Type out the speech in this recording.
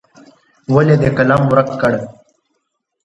ولې دې قلم ورک کړ.